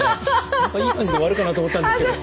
何かいい感じで終わるかなと思ったんですけど。